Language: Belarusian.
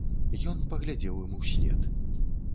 Ён паглядзеў ім услед.